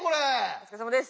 お疲れさまです。